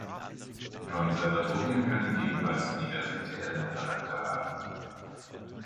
Konservatorien können ebenfalls universitären Charakter haben.